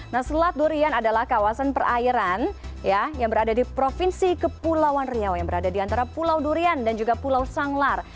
nah selat durian adalah kawasan perairan yang berada di provinsi kepulauan riau yang berada di antara pulau durian dan juga pulau sanglar